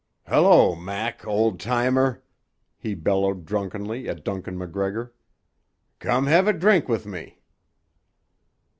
"Hello, Mac, ol' timer!" he bellowed drunkenly at Duncan MacGregor. "Come have a drink with me."